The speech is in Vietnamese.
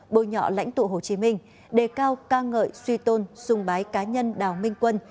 bôi nhọ lãnh tụ hồ chí minh đề cao ca ngợi suy tôn dùng bái cá nhân đào minh quân